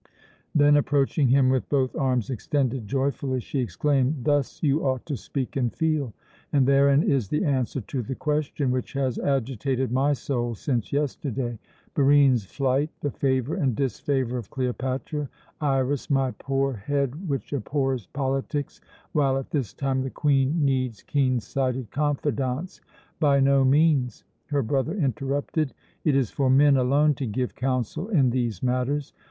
Then, approaching him with both arms extended joyfully, she exclaimed: "Thus you ought to speak and feel, and therein is the answer to the question which has agitated my soul since yesterday. Barine's flight, the favour and disfavour of Cleopatra, Iras, my poor head, which abhors politics, while at this time the Queen needs keen sighted confidants " "By no means," her brother interrupted. "It is for men alone to give counsel in these matters.